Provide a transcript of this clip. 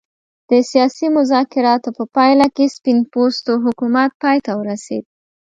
د سیاسي مذاکراتو په پایله کې سپین پوستو حکومت پای ته ورسېد.